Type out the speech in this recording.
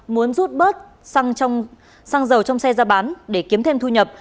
muốn rút bớt xăng dầu trong xe ra bán để kiếm thêm thu nhập